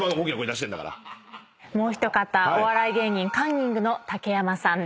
もう一方お笑い芸人カンニングの竹山さんです。